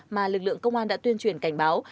mà lực lượng công an đã tuyên truyền cảnh báo